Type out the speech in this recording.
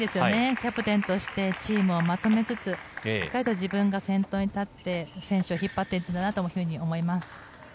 キャプテンとしてチームをまとめつつしっかりと自分が先頭に立って選手を引っ張っていくんだなと思います。